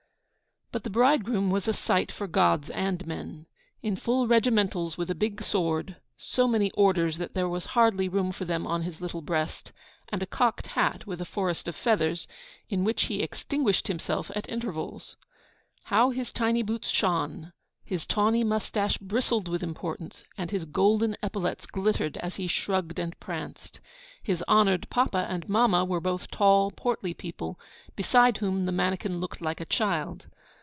But the bridegroom was a sight for gods and men. In full regimentals with a big sword, so many orders that there was hardly room for them on his little breast, and a cocked hat, with a forest of feathers, in which he extinguished himself at intervals. How his tiny boots shone, his tawny moustache bristled with importance, and his golden epaulets glittered as he shrugged and pranced! His honoured papa and mamma were both tall, portly people, beside whom the manikin looked like a child.